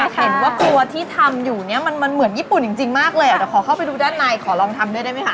เห็นว่าครัวที่ทำอยู่เนี่ยมันเหมือนญี่ปุ่นจริงมากเลยอ่ะเดี๋ยวขอเข้าไปดูด้านในขอลองทำด้วยได้ไหมคะ